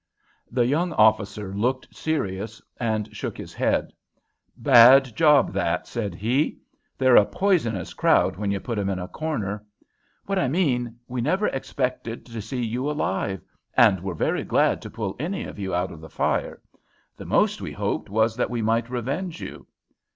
The young officer looked serious and shook his head. "Bad job that!" said he. "They're a poisonous crowd when you put 'em in a corner. What I mean, we never expected to see you alive; and we're very glad to pull any of you out of the fire. The most we hoped was that we might revenge you."